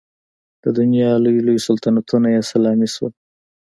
د دنیا لوی لوی سلطنتونه یې سلامي شول.